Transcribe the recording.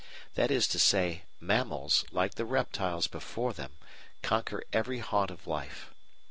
That is to say, mammals, like the reptiles before them, conquer every haunt of life.